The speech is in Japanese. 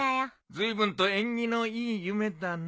ずいぶんと縁起のいい夢だな。